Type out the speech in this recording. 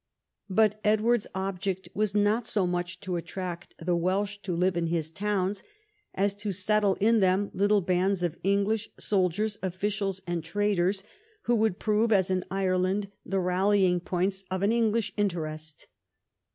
But Edward's object was not so much to attract the Welsh to live in his towns, as to settle in them little bands of English soldiers, officials, and traders, who would prove, as in Ireland, the rallying points of an English interest.